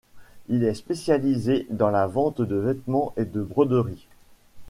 Il est spécialisé dans la vente de vêtements et de broderies.